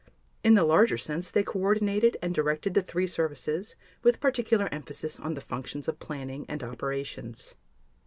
In the larger sense they coordinated and directed the three services, with particular emphasis on the functions of planning and operations.